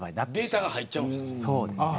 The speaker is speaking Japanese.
データが入っちゃうんだ。